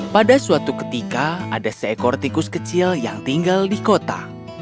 pada suatu ketika ada seekor tikus kecil yang tinggal di kota